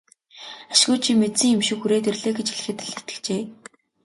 Ашгүй чи мэдсэн юм шиг хүрээд ирлээ гэж хэлэхэд л итгэжээ.